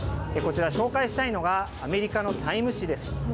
こちら、紹介したいのが、アメリカのタイム誌です。